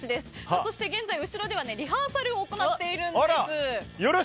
そして現在、後ろではリハーサルを行っているんです。